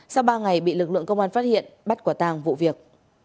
sau ba ngày bị lực lượng công an phát hiện bắt quả tàng vụ việc